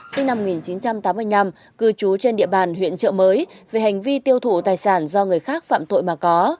sinh năm một nghìn chín trăm tám mươi năm cư trú trên địa bàn huyện trợ mới về hành vi tiêu thụ tài sản do người khác phạm tội mà có